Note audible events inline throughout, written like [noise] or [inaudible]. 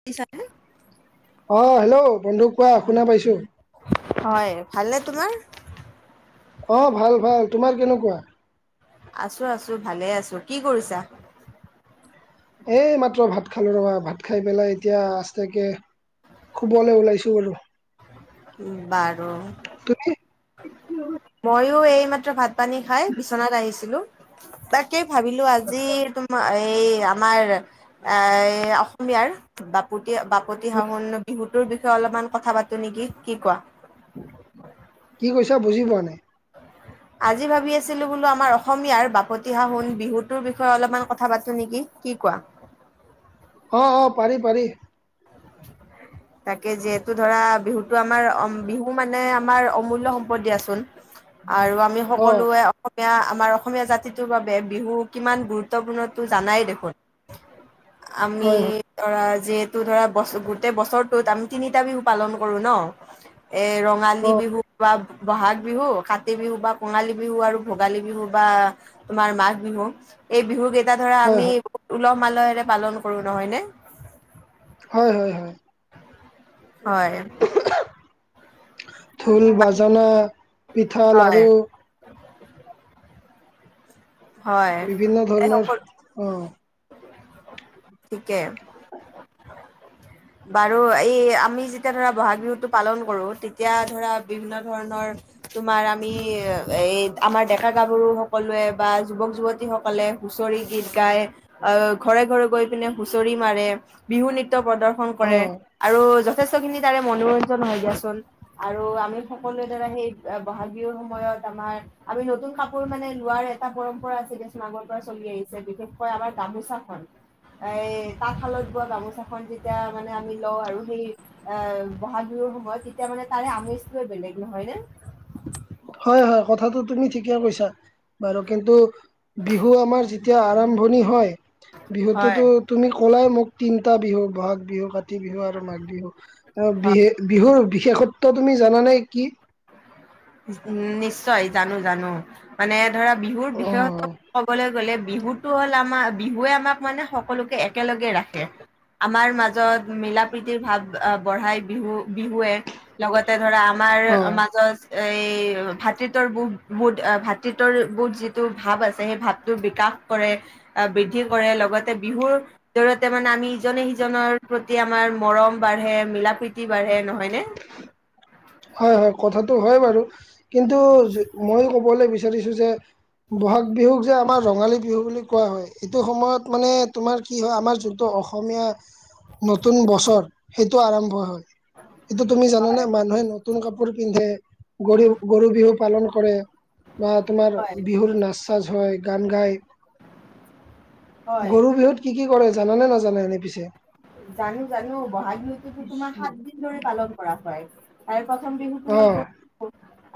বুজিছা নে? অ', -হেল্ল' বন্ধু কোৱা? শুনা পাইছো। হয়, ভাল নে তোমাৰ? অঁ', -ভাল-ভাল। তোমাৰ কেনেকুৱা? আছো-আছো ভালে আছো। কি কৰিছা? এই মাত্ৰ ভাত খালো ৰবা ভাত খাই পেলাই এতিয়া আচতেকে শুবলে ওলাইছোঁ আৰু বাৰু ত‌ইহে হয় ময়ো এইমাত্ৰ ভাত পানী খাই বিচনাত আহিছিলো তাকেই ভাবিলোঁ কিন্তু আজি তোমাৰ এই আমাৰ আ‌ অসমীয়াৰ বাপতি বাপতি সাহোন বিহুতোৰ বিষয়ে অলপমান কথা পাতো নেকি কি কোৱা কি কৈছা বুজি পোৱা নাই [unintelligible] আজি ভাবি আছিলো বোলো আমাৰ অসমীয়াৰ বাপতি সাহোন বিহুটোৰ বিষয়ে অলপমান কথা পাতো নেকি কি কোৱা অঁ অঁ পাৰি পাৰি [unintelligible] তাকে যিহেতু ধৰা বিহুতো আমাৰ বিহু মানে আমাৰ অমূল্য সম্পদ দিয়াচোন [unintelligible] আৰু আমি অ সকলোৱে অসমীয়া আমাৰ অসমীয়া জাতিটোৰ বাবে বিহু কিমান গুৰুত্বপূৰ্ণ তো জানাই দেখোন আমি হয় হয় ধৰা যিহেতু ধৰা বছৰ গোটেই বছৰটোত আমি তিনিটা বিহু পালন কৰো ন এ অ ৰঙালী বিহু বা বহাগ বিহু কাতি বিহু বা কঙালী বিহু আৰু ভোগালী বিহু বা তোমাৰ মাঘ বিহু এই বিহু কেইটা ধৰা হয় আমি হয় উলহ মালহেৰে পালন কৰো নহয়নে হয় হয় হয় হয় ঢোল বাজনা পিঠা লাৰু হয়। হয় বিভিন্ন ধৰণৰ এইসকল অ ঠিকে [unintelligible] বাৰু এই আমি যেতিয়া ধৰা বহাগ বিহুটো পালন কৰো তেতিয়া ধৰা বিভিন্ন ধৰণৰ তোমাৰ আমি এই আমাৰ ডেকা গাভৰু সকলোৱে বা যুৱক যুৱতীসকলে হুঁচৰি গীত গায় আ ঘৰে ঘৰে গৈ পিনে হুঁচৰি মাৰে বিহু নৃত্য প্ৰদৰ্শন কৰে অ আৰু যথেষ্টখিনি তাৰে মনোৰঞ্জন হয় দিয়াচোন আৰু আমি সকলোৱে ধৰা সেই বহাগ বিহুৰ সময়ত আমাৰ আমি নতুন কাপোৰ মানে লোৱাৰে এটা পৰম্পৰা আছে দিয়াচোন আগৰে পৰা চলি আহিছে বিশেষকৈ আমাৰ গামোচাখন এই তাঁতশালত বোৱা গামোচাখন যেতিয়া মানে আমি লওঁ আৰু সেই আ বহাগ বিহুৰ সময়ত তেতিয়া মানে তাৰে আমেজটোয়ে বেলেগ নহয় নে হয় হয় কথাটো তুমি ঠিকে কৈছা বাৰু কিন্তু বিহু আমাৰ যেতিয়া আৰম্ভণি হয় হয় বিহুতোতো তুমি ক'লাই মোক তিনটা বিহু বহাগ বিহু কাতি কাতি বিহু আৰু মাঘ বিহু আ‌‌ বিহু বিহুৰ বিশেষত্ব তুমি জানানে কি উম নিশ্চয় জানো জানো মানে ধৰা বিহুৰ অ বিশেষত্ব ক'বলৈ গ'লে বিহুটো হ'ল আমাৰ বিহুৱে আমাক মানে সকলোকে একেলগে ৰাখে আমাৰ মাজত মিলা প্ৰীতিৰ ভাৱ আ বঢ়াই বিহু বিহুৱে লগতে ধৰা আমাৰ অ মাজত এই ভ্ৰাতৃত্বৰ বু বুধ ভ্ৰাতৃত্বৰ বুধ যিটো ভাৱ আছে সেই ভাৱটোৰ বিকাশ কৰে আ‌ বৃদ্ধি কৰে লগতে বিহুৰ জৰিয়তে মানে আমি ইজনে সিজনৰ প্ৰতি প্ৰতি আমাৰ মৰম বাঢ়ে মিলা প্ৰীতি বাঢ়ে নহয় নে? হয় হয় কথাটো হয় বাৰু কিন্তু যদি মই ক'বলৈ বিচাৰিছোঁ যে ব'‌হাগ বিহুক যে আমাৰ ৰঙালী বিহু বুলি কোৱা হয় এইটো সময়ত মানে তোমাৰ কি হয় আমাৰ যোনটো অসমীয়া নতুন বছৰ সেইটো আৰম্ভ হয় এইটো তুমি হয় জানানে মানুহে নতুন নতুন কাপোৰ পিন্ধে গৰি গৰু বিহু পালন কৰে বা তোমাৰ হয় বিহুৰ নাচ চাজ হয় গান গায় হয় গৰু বিহুত কি কি কৰে জানানে নাজানে এনে পিছে? জানো জানো বহাগ বিহুততো তোমাৰ সাত দিন ধৰি পালন কৰা হয় আৰু প্ৰথম বিহুটো অ হ'ল গৰু বিহু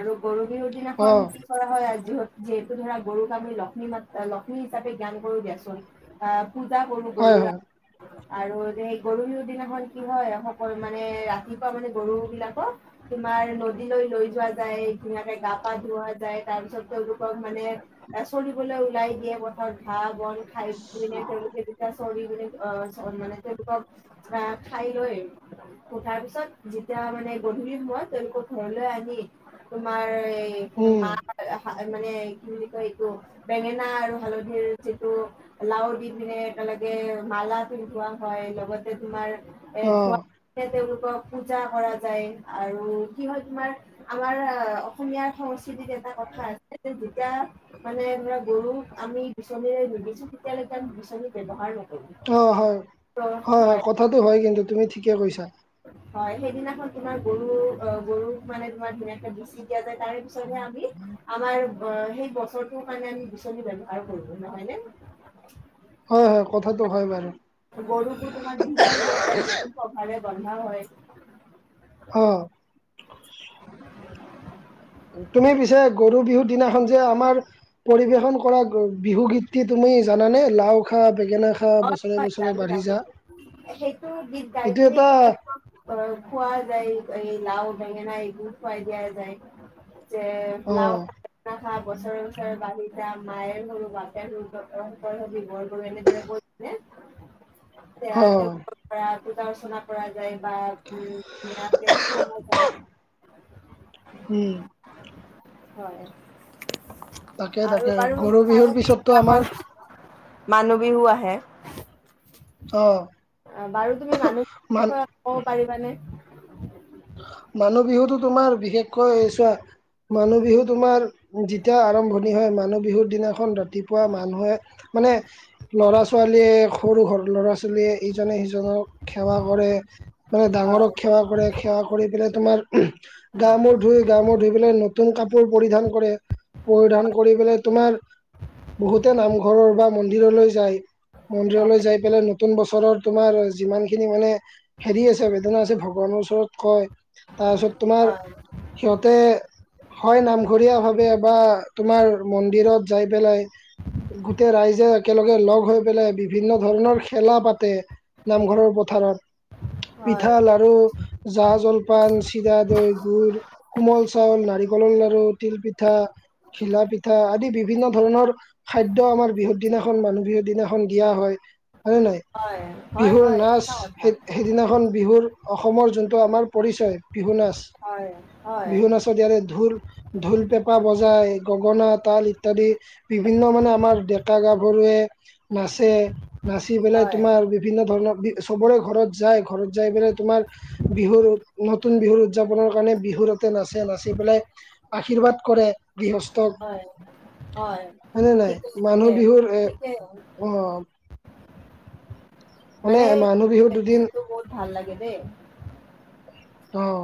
আৰু গৰু বিহুৰ অ দিনাখন কৰা হয় আৰু যিহ যিহেতু ধৰা গৰুক আমি লক্ষ্মী মাত লক্ষ্মী হিচাপে জ্ঞান কৰো দিয়াচোন। আ পূজা কৰো হয় গৰুৰ হয় আৰু সেই গৰু বিহু দিনাখন কি হয় সকল মানে ৰাতিপুৱা মানে গৰু বিলাকক তোমাৰ নদীলৈ লৈ যোৱা যায় ধুনীয়াকে গা পা ধুৱা যায় তাৰ পিছত তেওঁলোকক মানে এ চৰিবলৈ ওলাই দিয়ে পথাৰত ঘাঁহ বন খাই পিনে তেওঁলোকে চৰিবলৈ আ চৰ মানে তেওঁলোকক ঘাঁহ খাই লৈ আৰু তাৰ পিছত যেতিয়া মানে গধূলি সময়ত তেওঁলোকক ঘৰলৈ আনি তোমাৰ এই উম মাহ হা আ মানে কি বুলি কয় এইটো বেঙেনা আৰু হালধিৰ যিটো লাওৰ দি পিনে একেলগে মালা ধোৱা হয় লগতে তোমাৰ এ অ ধোৱা তে তেওঁলোকক পূজা কৰা যায় আৰু কি হয় তোমাৰ আমাৰ আ অসমীয়া সংস্কৃতিত এটা কথা আছে যে যেতিয়া মানে ধৰা গৰুক আমি বিচনীৰে নিবিচো তেতিয়ালৈকে আমি বিচনী ব্যৱহাৰ নকৰোঁ। অ হয় হয় হয় কথাটো হয় কিন্তু তুমি ঠিকে কৈছা হয় সেইদিনাখন তোমাৰ গৰু আ গৰুক মানে তোমাৰ ধুনীয়াকে বিচি দিয়া যায় তাৰে পিছতে আমি আমাৰ আ সেই বছৰটোৰ কাৰণে আমি বিচনি ব্যৱহাৰ কৰো নহয় নে হয় হয় কথাটো হয় বাৰু গৰুকো তোমাৰ বিহুৱান দিয়া যায় নতুন পঘাৰে বন্ধা হয় অ তুমি পিছে গৰু বিহুৰ দিনাখন যে আমাৰ পৰিবেশন কৰা আ বিহু গীত টি তুমি জানা নে লাও খা বেঙেনা খা হয় বছৰে হয়। বছৰে জানো বাঢ়ি জানো যা সেইটো গীত গাই এইটো এটা পিনেতো তেওঁলোকক অ খোৱা যায় এই লাও বেঙেনা এইবোৰ খুৱাই দিয়া যায় যে অ লাও খা বেঙেনা খা বছৰে বছৰে বাঢ়ি যা মায়েৰ সৰু বাপেৰ সৰু তঁহতৰ তই হবি বৰ গৰু এনেদৰে কৈ পিনে এয়া অ তেওঁলোকৰ পৰা পূজা অৰ্চনা কৰা যায় বা উম [inaudible] উম হয় তাকে তাকে আৰু বাৰু গৰু বিহুৰ তাৰো পিছততো আমাৰ পিছদিনাখন মানুহ বিহু আহে অ অহ বাৰু তুমি মানুহ বিহু মান বিষয়ে ক'ব পাৰিবানে? মানুহ বিহুটো তোমাৰ বিশেষকৈ চোৱা। মানুহ বিহু তোমাৰ যেতিয়া আৰম্ভণি হয়। মানুহ বিহুৰ দিনাখন ৰাতিপুৱা মানুহে মানে। ল'ৰা ছোৱালীয়ে সৰু ঘৰ ল'ৰা ছোৱালীয়ে ইজনে সিজনক সেৱা কৰে। মানে হয়, ডাঙৰক সেৱা কৰে। সেৱা কৰি পেলাই তোমাৰ গা মূৰ ধুই গা মূৰ ধুই পেলাই নতুন কাপোৰ পৰিধান কৰে। পৰিধান কৰি পেলাই তোমাৰ বহুতে নামঘৰৰ বা মন্দিৰলৈ যায়। মন্দিৰলৈ হয়, যাই পেলাই ন নতুন বছৰৰ তোমাৰ যিমান খিনি মানে হেৰি আছে বেদনা আছে। ভগৱানৰ ওচৰত কয়। তাৰপিছত তোমাৰ হয়, সিহঁতে হয় নামঘৰীয়াভাৱে বা তোমাৰ মন্দিৰত যাই পেলাই, গোটেই ৰাইজে একেলগে লগ হৈ পেলাই বিভিন্ন ধৰণৰ খেলা পাতে। নামঘৰৰ পথাৰত। হয়, পিঠাল লাৰু জা জলপান, চিৰা, দৈ, গুৰ, কোমল চাউল, নাৰিকলৰ লাৰু, তিল পিঠা, ঘিলা পিঠা আদি বিভিন্ন ধৰণৰ খাদ্য আমাৰ বিহুুৰ দিনাখন মানুহ বিহু দিনাখন দিয়া হয়। হয়নে নাই? হয়, হয়, বিহুৰ হয়, নাচ সঁচা কথা। সে সে দিনাখন বিহুৰ অসমৰ যোনটো আমাৰ পৰিচয় বিহু নাচ। হয়, হয়। শদিয়াৰে ঢোৰ ঢোল, পেঁপা বজাই। গগনা, তাল ইত্যাদি বিভিন্ন মানে আমাৰ ডেকা গাভৰুৱে নাচে। নাচি পেলাই হয়, তোমাৰ বিভিন্ন ধৰণৰ চবৰে ঘৰত যায়। ঘৰত যাই পেলাই তোমাৰ বিহুৰ নতুন বিহুৰ উদযাপনৰ কাৰণে বিহুৰতে নাচে। নাচি পেলাই আশীৰ্বাদ কৰে। গৃহস্থক। হয় হয়, হয়নে নাই ঠিকে মানুহ ঠিকে বিহুৰ এ ঠিকে। অ। মানে মানুহ বিহুৰ [unintelligible] দুদিন দিনটো বহুত ভাল লাগে দে। অঁ।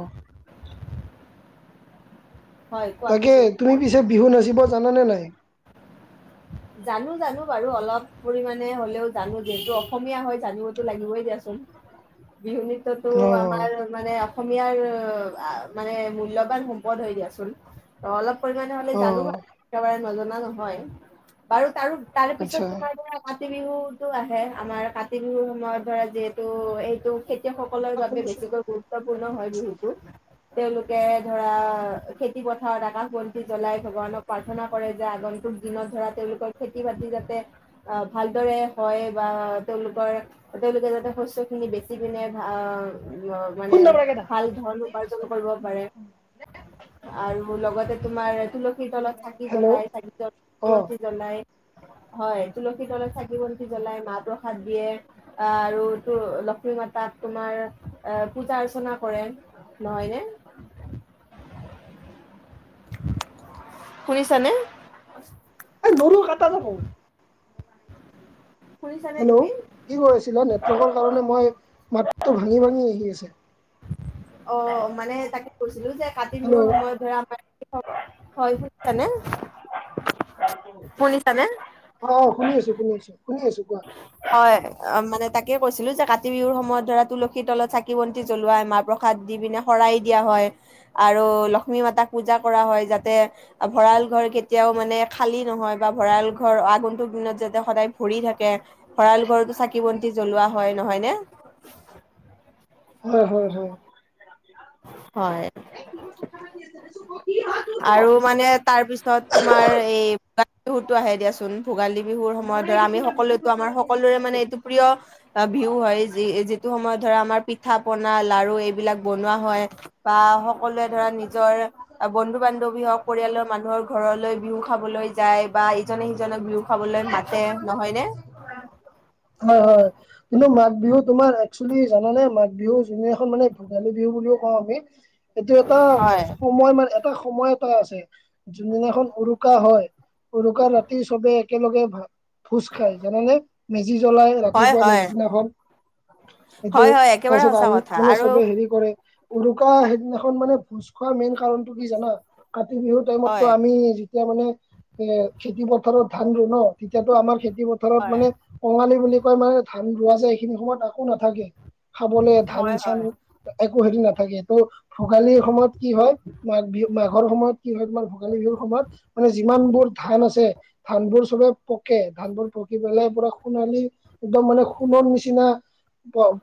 হয়, কোৱা? কি তাকে তুমি কৈ--লা? পিছে বিহু নাচিব জানানে নাই? জানো জানো বাৰু অলপ পৰিমাণে হলেও জানো। যিহেতু অসমীয়া হয় জানিবতো লাগিবই দিয়াচোন। বিহু নৃত্যতো অ আমাৰ মানে অসমীয়াৰ মানে মূলবান সম্পদ হৈ দিয়াচোন। অ অলপ পৰিমাণে হলে অ জানো [unintelligible] একেবাৰে নজনা নহয়। বাৰু তাৰো তাৰে পিছত আচ্ছা তোমাৰ ধৰা। কাতি বিহুতো আহে আমাৰ কাতি বিহুৰ সময়ত ধৰা যিহেতু, এইটো খেতিয়ক সক সকলৰ বাবে বেছিকৈ গুৰুত্বপূৰ্ণ হয় বিহুটো। তেওঁলোকে ধৰা খেতি পথাৰত আকাশ বন্তি জ্বলাই ভগৱানক প্ৰাৰ্থনা কৰে যে, আগন্তুক দিনত ধৰা তেওঁলোকৰ খেতি বাতি যাতে অ, ভালদৰে হয় বা তেওঁলোকৰ তেওঁলোকে যাতে শস্যখিনি বেচি পিনে ভা শুন মানে নাম্বাৰ কেইটা। ভাল ধন উপাৰ্জনো কৰিব পাৰে আৰু লগতে তোমাৰ এইটো তুলসীৰ তলত চাকি হেল্ল' জ্বলাই। চাকি জ্ব অ বন্তি জ্বলাই। হয়, তুলসীৰ তলত চাকি বন্তি জ্বলাই মাহ প্ৰসাদ দিয়ে। আৰু তোৰ লক্ষ্মী মাতাক তোমাৰ পূজা অৰ্চনা কৰে। নহয়নে? শুনিছানে? এই নৰু কাটা যাব। শুনিছানে হেল্ল', তুমি কি হৈ আছিলে, নেটৱৰ্কৰ কাৰণে শু- মই মাতটো ভাঙি ভাঙি আহি আছে। অ', মানে তাকে কৈছিলো যে কাতি হেল্ল' বিহুৰ সময়ত ধৰা [unintelligible] শুনিছানে? অ', শুনি আছো শুনি আছো, শুনি আছো কোৱা। হয় মানে তাকে কৈছিলো যে কাতি বিহুৰ সময়ত ধৰা তুলসীৰ তলত চাকি বন্তি জ্বলোৱাই মা প্ৰসাদ দি পিনে শৰাই দিয়া হয় আৰু লক্ষ্মী মাতাক পূজা কৰা হয় যাতে ভঁৰাল ঘৰ কেতিয়াও মানে খালী নহয় বা ভঁৰাল ঘৰ আগন্তুক দিনত যাতে সদায় ভৰি থাক [unintelligible] ভৰাল ঘৰতো চাকি বন্তি জ্বলোৱা হয় নহয় নে? হয় হয় হয়। হয়। আৰু মানে তাৰপিছত তোমাৰ এই বিহুতো আহে দিয়াচোন ভোগালী বিহুৰ সময়ত ধৰা আমি সকলোতো আমাৰ সকলোৰে মানে এইটো প্ৰিয় বিহু হয় যি-যিটো সময়ত ধৰা আমাৰ পিঠা পনা লাৰু এইবিলাক ব বনোৱা হয় বা সকলোৱে ধৰা নিজৰ বন্ধু বান্ধৱী হওক পৰিয়ালৰ মানুহৰ ঘৰলৈ বিহু খাবলৈ যায় বা ইজনে সিজনক বিহু খাবলৈ মাতে, নহয়নে? হয় হয়। কিন্তু মাঘ বিহু তোমাৰ একচুৱেলি জানা নে মাঘ বিহু যোন এখন মানে ভোগালী বিহু বুলিও কওঁ আমি এইটো এটা হয় সময় [unintelligible] এটা সময় এটা আছে, যোনদিনাখন উৰুকা হয় উৰুকাৰ ৰাতি চবে একেলগে ভা-ভোজ খাই জানানে মেজি জ্বলাই হয় ৰাতিপুৱা হয় নেক্সট দিনাখন, এইটো হয় হয় একেবাৰে পাছত সঁচা আৰু কথা মানে আৰু চবে হেৰি কৰে উৰুকা সেইদিনাখন মানে ভোজ খোৱাৰ মেইন কাৰণটো কি জানা, কাতি বিহুৰ টাইমতো হয় আমি তেতিয়া মানে এ খেতি পথাৰত ধান ৰোও ন, তেতিয়াতো আমাৰ খেতি পথাৰত হয় মানে কঙালী বুলি কয় মানে ধান ৰোৱা যায় এইখিনি সময়ত আকো নাথাকে, খাবলে ধান হয় চান হয় একো হেৰি নাথাকে এতো ভোগালীৰ সময়ত কি হয় মাঘ বিহু মাঘৰ সময়ত কি হয় তোমাৰ ভোগালী বিহুৰ সময়ত মানে যিমান বোৰ ধান আছে ধানবোৰ চবে পকে, ধানবোৰ পকি পেলাই পুৰা সোণালী একদম মানে সোণৰ নিচিনা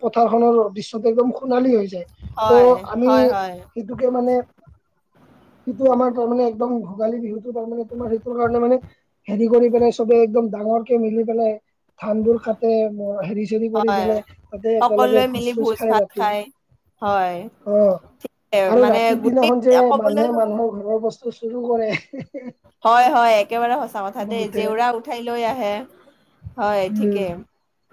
পথাৰখনৰ দৃশ্যটো একদম সোণালী হৈ যায়। হয় ত' আমি হয় হয় সেইটোকে মানে সেইটো আমাৰ তাৰ মানে একদম ভোগালী বিহুটো তাৰ মানে তোমাৰ সেইটোৰ কাৰণে মানে হেৰি কৰি পেলাই চবে একদম ডাঙৰকে মিলি পেলাই ধানবোৰ কাটে [unintelligible] হেৰি হেৰি কৰি হয়, পেলাই তাতে একেলগে সকলোৱে ভোজ মিলি চোজ খাই ভাত ৰাতি। খায়। হয়, অ', ঠিকে আৰু মানে ৰাতিৰ গোটেই দিনাখন যে ক'বলৈ মানুহে গ'লে মানুহৰ ঘৰৰ বচ [unintelligible] চুৰো কৰে হয় হয়, একেবাৰে সঁচা কথা দেই। বহুতে জেউৰা উঠাই লৈ আহে, হয় উম ঠিকেই।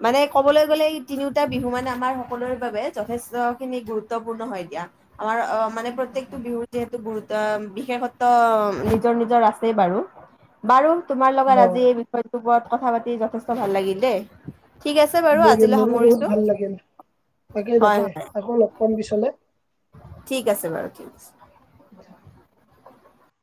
মানে ক'বলৈ গ'লে এই তিনিওটা বিহু মানে আমাৰ সকলোৰে বাবে যথেষ্টখিনি গুৰুত্বপূৰ্ণ হয় দিয়া। আমাৰ অ, মানে প্ৰত্যেকটো তাকে বিহুত যিহেতু গুৰুত বিশেষত্ব নিজৰ নিজৰ আছে বাৰু, বাৰু তোমাৰ লগত অ আজি এই টো ওপৰত কথা পাতি যথেষ্ট ভাল লাগিল দেই। ঠিক আছে বাৰু ভাল লাগিল আজিলৈ মোৰো সামৰিছো বহুত ভাল লাগিল, তাকে হয়, তাকে হয় আকৌ লগ পাম পিছলে। ঠিক আছে বাৰু ঠিক আছে। [inaudible]